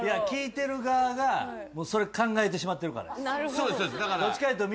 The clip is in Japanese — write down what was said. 聴いてる側がそれ考えてしまってるからや。